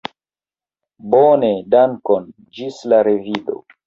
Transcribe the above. Bone, dankon; ĝis la revido.